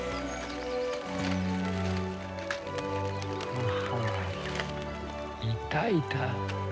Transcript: ははいたいた。